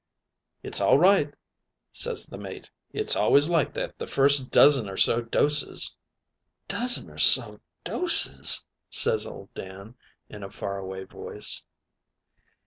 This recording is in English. "'It's all right,' ses the mate. 'It's always like that the first dozen or so doses.' "'Dozen or so doses!" ses old Dan, in a faraway voice.